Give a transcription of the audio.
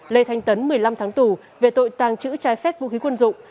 lê thanh tấn một mươi năm tháng tù về tội tàng trữ trái phép vũ khí quân dụng